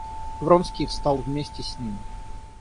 Вронский встал вместе с ним.